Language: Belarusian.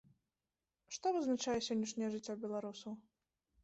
Што вызначае сённяшняе жыццё беларусаў?